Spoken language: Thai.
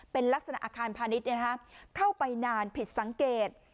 เป็นลักษณะอาคารพาณิชย์เข้าไปนานผิดสังเกต